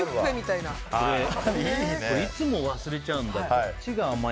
いつも忘れちゃうんだ。